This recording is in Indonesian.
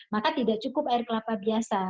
maka tidak cukup air kelapa biasa